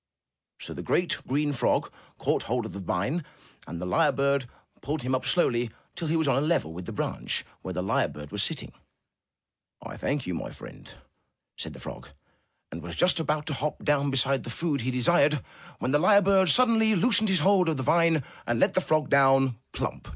So the great, green frog caught hold of the vine 112 UP ONE PAIR OF STAIRS and the lyre bird pulled him up slowly till he was on a level with the branch where the lyre bird was sitting. '1 thank you, my friend/' said the frog, and was just about to hop down beside the food he desired, when the lyre bird suddenly loosened his hold of the vine and let the frog down, plump!